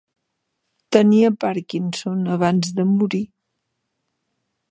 Tenia Parkinson abans de morir.